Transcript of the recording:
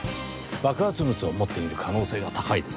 爆発物を持っている可能性が高いです。